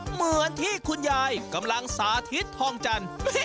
เหมือนที่คุณยายกำลังสาธิตทองจันทร์